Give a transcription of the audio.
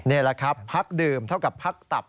นี่แหละครับพักดื่มเท่ากับพักตับ